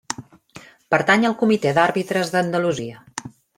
Pertany al Comitè d'Àrbitres d'Andalusia.